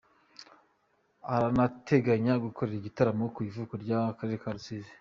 Aranateganya gukorera igitaramo ku ivuko mu Karere ka Rusizi.